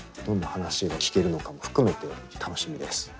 どんな話が聞けるのかも含めて楽しみです。